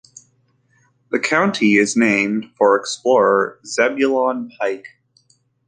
The county is named for explorer Zebulon Pike.